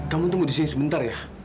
kamu tunggu di sini sebentar ya